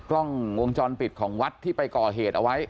กล้องวงจรปิดของวัดที่ไปก่อเหตุเอาไว้